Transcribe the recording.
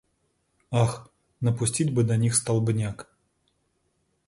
Ах, напустить бы на них столбняк!